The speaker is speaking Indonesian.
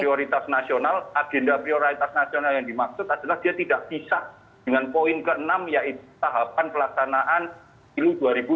prioritas nasional agenda prioritas nasional yang dimaksud adalah dia tidak bisa dengan poin ke enam yaitu tahapan pelaksanaan pilu dua ribu dua puluh